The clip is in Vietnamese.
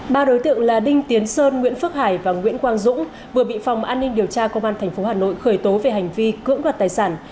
ba đối tượng là đinh tiến sơn nguyễn phước hải và nguyễn quang dũng vừa bị phòng an ninh điều tra công an tp hà nội khởi tố về hành vi cưỡng đoạt tài sản